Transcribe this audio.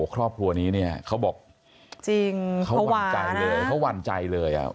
ครอบครัวนี้เนี่ยเขาบอกจริงเขาหวั่นใจเลยเขาหวั่นใจเลยอ่ะ